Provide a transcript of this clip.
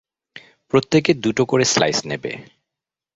প্রত্যেকে দুটো করে স্লাইজ নেবে।